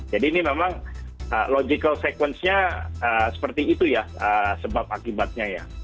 jadi ini memang logical sequence nya seperti itu ya sebab akibatnya ya